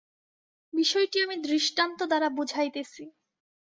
বিষয়টি আমি দৃষ্টান্ত দ্বারা বুঝাইতেছি।